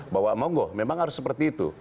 bahwa monggo memang harus seperti itu